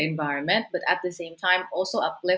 dan juga memperbaiki keamanan orang orang